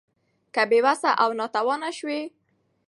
که بې وسه او ناتوانه شوې